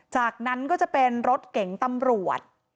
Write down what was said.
จากนั้นก็จะเป็นรถเก๋งตำรวจ